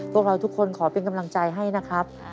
พวกเราทุกคนขอเป็นกำลังใจให้นะครับ